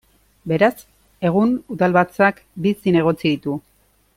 Beraz, egun udalbatzak bi zinegotzi ditu.